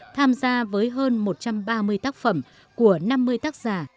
tham gia với hơn một trăm ba mươi tác phẩm của năm mươi tác giả